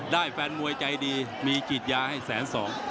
ได้แฟนมวยใจดีมีกิจยาให้แสน๒